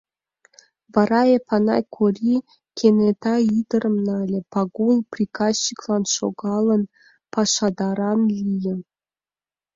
Вара Эпанай Кори кенета ӱдырым нале, Пагул, приказчиклан шогалын, пашадаран лие.